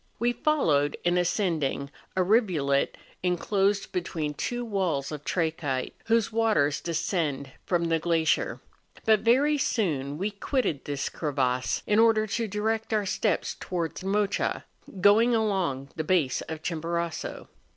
We followed, in ascending, a rivulet enclosed between two walls of trachyte, whose waters descend from the glacier; but very soon we quitted this crevasse, in order to direct our steps towards Mocha, going along the base of Chimborazo.